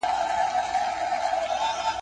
ځلېدل یې د لمر وړانګو کي موجونه !.